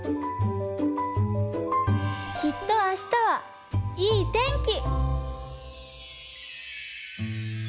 きっと明日はいい天気。